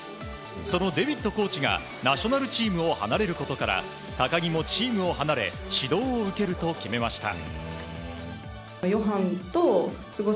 そのデビットコーチがナショナルチームを離れることから高木もチームを離れ指導を受けると決めました。